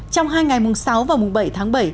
trong hai ngày mùng sáu và mùng bảy tháng bảy